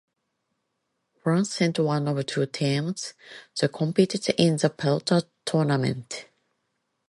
France sent one of two teams that competed in the pelota tournament.